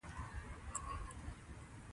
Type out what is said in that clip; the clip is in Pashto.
ازادي راډیو د اقتصاد لپاره عامه پوهاوي لوړ کړی.